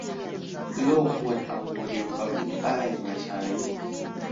โลกควรเอาโมเดลเกาหลีใต้มาใช้